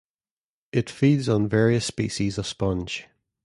It feeds on various species of sponge.